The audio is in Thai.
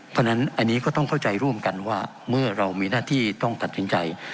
เพราะฉะนั้นอันนี้ก็ต้องเข้าใจร่วมกันว่าเมื่อเรามีหน้าที่ต้องตัดสินใจ